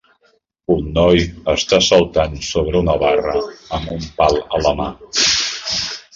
Un noi està saltant sobre una barra amb un pal a la mà.